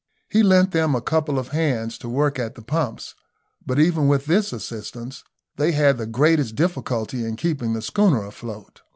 He lent them a couple of hands to work at the pumps, but even with this assistance they had the greatest difficulty in keeping the schooner afloat.